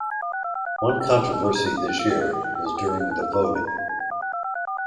One controversy this year was during the voting.